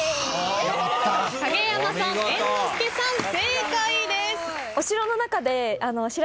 影山さん猿之助さん正解です。